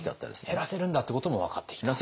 減らせるんだということも分かってきた。